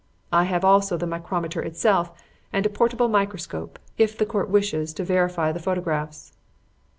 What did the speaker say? I have also the micrometer itself and a portable microscope, if the Court wishes to verify the photographs."